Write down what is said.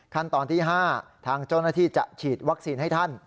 ขั้นตอนที่๕ทางเจ้าหน้าที่จะฉีดวัคซีนให้ท่าน